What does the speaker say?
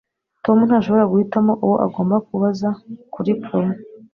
Tom ntashobora guhitamo uwo agomba kubaza kuri prom